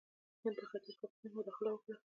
هند په ختیځ پاکستان کې مداخله وکړه.